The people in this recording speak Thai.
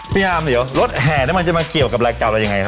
พี่อามเดี๋ยวรถแห่นั้นมันจะมาเกี่ยวกับรายการอะไรยังไงนะ